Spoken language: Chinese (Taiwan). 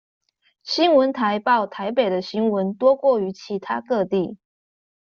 新聞台報台北的新聞多過於其他各地